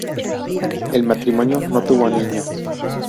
El matrimonio no tuvo niños.